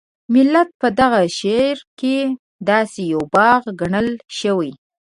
ملت په دغه شعر کې داسې یو باغ ګڼل شوی.